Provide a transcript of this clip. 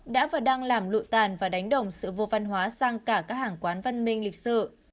đã và đang làm lụi tàn và đánh đồng sự vô văn hóa sang cả các hàng quán văn minh lịch sự